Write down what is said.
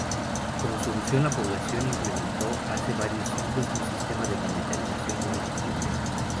Como solución, la población implementó hace varios siglos un sistema de monitorización muy eficiente.